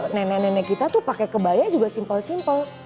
nenek nenek kita tuh pakai kebaya juga simpel simple